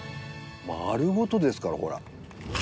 丸ごとですからこれ。